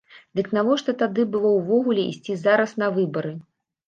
Дык навошта тады было ўвогуле ісці зараз на выбары?